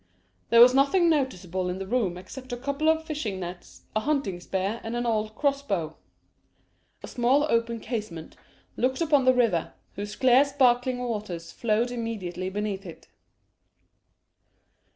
There was nothing noticeable in the room except a couple of fishing nets, a hunting spear, and an old cross bow. A small open casement looked upon the river, whose clear sparkling waters flowed immediately beneath it.